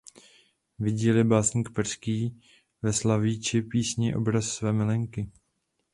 Vidí-li básník perský ve slavičí písni obraz své milenky.